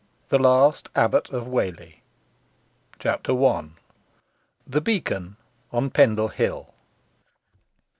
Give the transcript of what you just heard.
The Last Abbot of Whalley. CHAPTER I. THE BEACON ON PENDLE HILL.